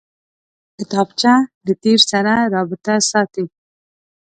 کتابچه له تېر سره رابطه ساتي